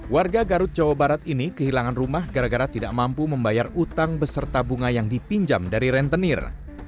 warga garut jawa barat ini kehilangan rumah gara gara tidak mampu membayar utang beserta bunga yang dipinjam dari rentenir